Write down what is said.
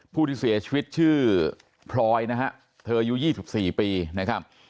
ผู้ที่เสียชีวิตชื่อพลอยนะฮะเธออายุ๒๔ปีนะครับ